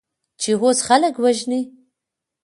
چې اوس خلک وژنې؟